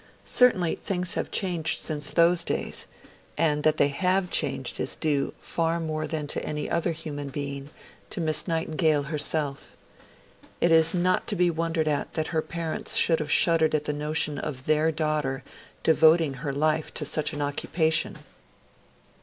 Certainly, things HAVE changed since those days; and that they have changed is due, far more than to any other human being, to Miss Nightingale herself. It is not to be wondered at that her parents should have shuddered at the notion of their daughter devoting her life to such an occupation.